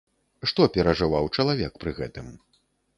Што перажываў чалавек пры гэтым?